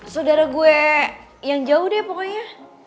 saudara gue yang jauh deh pokoknya